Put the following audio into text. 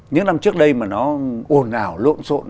những năm trước đây mà nó ồn ào lộn xộn